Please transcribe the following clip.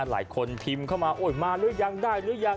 หลายคนทิมเข้ามามาหรือยังได้หรือยัง